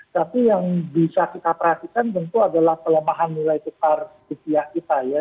tapi yang bisa kita perhatikan tentu adalah kelemahan nilai tukar ke pihak kita ya